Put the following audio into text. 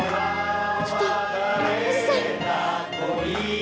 ちょっとおじさん。